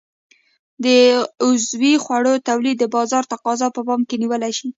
د عضوي خوړو تولید د بازار تقاضا په پام کې نیول شي.